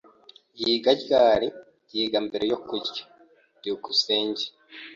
"Yiga ryari?" "Yiga mbere yo kurya." byukusenge